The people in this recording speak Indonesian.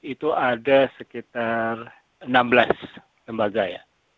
itu ada sekitar enam belas lembaga ya